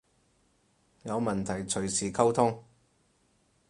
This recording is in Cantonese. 有問題隨時溝通